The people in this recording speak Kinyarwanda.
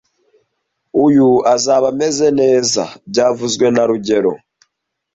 Uyu azaba ameze neza byavuzwe na rugero